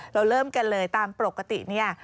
เราเริ่มกันเลยตามปกติเนี่ย